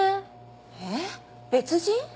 えっ別人？